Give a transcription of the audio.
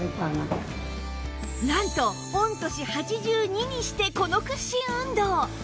なんと御年８２にしてこの屈伸運動！